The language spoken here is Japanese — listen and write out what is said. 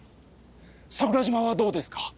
桜島はどうですか？